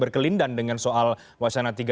berkelindan dengan soal wacana